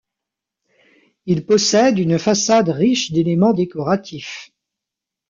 Il possède une façade riche d'éléments décoratifs.